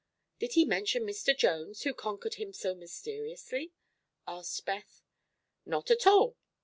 "Did he mention Mr. Jones, who conquered him so mysteriously?" asked Beth. "Not at all.